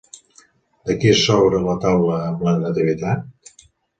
De qui és obra la taula amb la Nativitat?